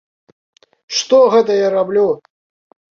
Што гэта я раблю?